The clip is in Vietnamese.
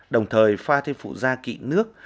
đồng thời pha thêm phụ ra kỹ nước